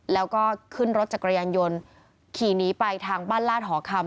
แล้วก็ขึ้นรถจักรยานยนต์ขี่หนีไปทางบ้านลาดหอคำ